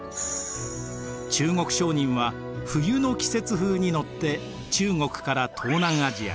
中国商人は冬の季節風に乗って中国から東南アジアへ。